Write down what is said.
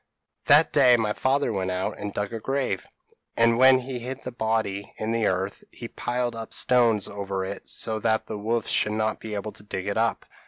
p> "That day my father went out and dug a grave; and when he hid the body in the earth, he piled up stones over it so that the wolves should not be able to dig it up.